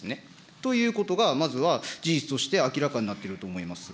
ということが、まずは事実として明らかになっていると思います。